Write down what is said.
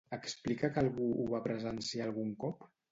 Explica que algú ho va presenciar algun cop?